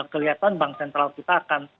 kelihatan bank sentral kita akan